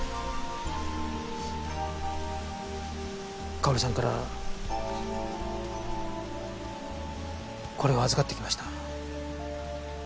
佳保里さんからこれを預かってきました。